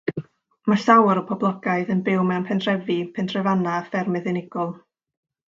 Mae llawer o'r boblogaeth yn byw mewn pentrefi, pentrefannau a ffermydd unigol.